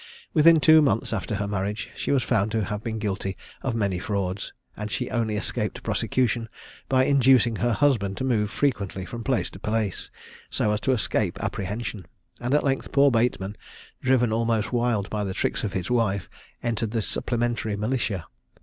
Within two months after her marriage, she was found to have been guilty of many frauds, and she only escaped prosecution by inducing her husband to move frequently from place to place, so as to escape apprehension; and at length poor Bateman, driven almost wild by the tricks of his wife, entered the supplementary militia.